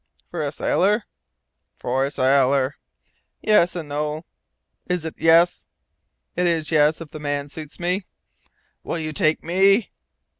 "For a sailor?" "For a sailor." "Yes and no." "Is it yes?" "It is yes, if the man suits me." "Will you take me?"